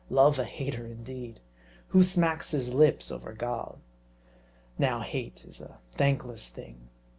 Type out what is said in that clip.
Love a hater, indeed ! Who smacks his lips over gall ? Now hate is a thankless thing.